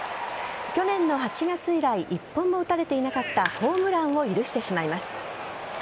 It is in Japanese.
去年の８月以来１本も打たれていなかったホームランを許してしまいます。